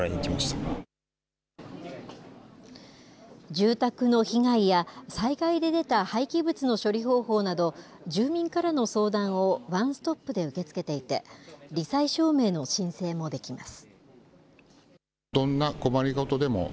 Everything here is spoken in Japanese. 住宅の被害や災害で出た廃棄物の処理方法など、住民からの相談をワンストップで受け付けていて、り災証明の申請もできます。